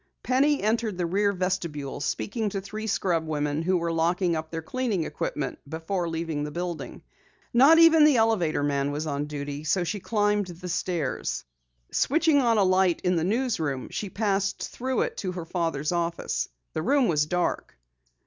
Penny entered the rear vestibule, speaking to three scrub women who were locking up their cleaning equipment before leaving the building. Not even the elevator man was on duty, so she climbed the stairs. Switching on a light in the newsroom, she passed through it to her father's office. The room was dark.